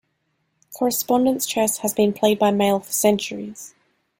Correspondence chess has been played by mail for centuries.